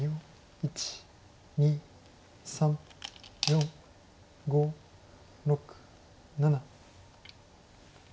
１２３４５６７。